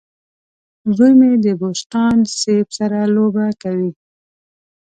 زوی مې د بوسټان سیب سره لوبه کوي.